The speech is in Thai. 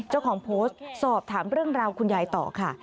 เจ้าของโพสต์สอบถามเรื่องราวคุณยายต่อค่ะ